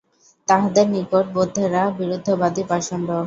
তাহাদের নিকট বৌদ্ধেরা বিরুদ্ধবাদী পাষণ্ড।